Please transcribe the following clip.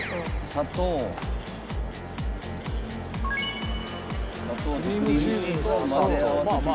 砂糖とクリームチーズを混ぜ合わせていきます。